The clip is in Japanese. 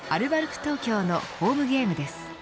東京のホームゲームです。